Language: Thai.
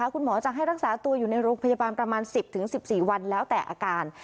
คุณหมอจะให้รักษาตัวอยู่ในโรงพยาบาลประมาณ๑๐๑๔วันแล้วแต่อาการ